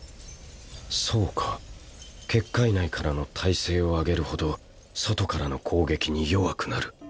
そうか結界内からの耐性を上げるほど外からの攻撃に弱くなる。